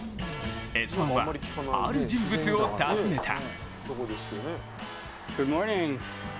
「Ｓ☆１」は、ある人物を訪ねた。